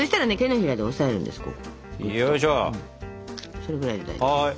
それぐらいで大丈夫。